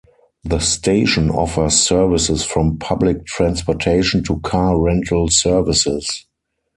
The station offers services from public transportation to car rental services.